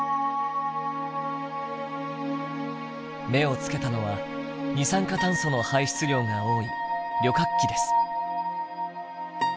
目を付けたのは二酸化炭素の排出量が多い旅客機です。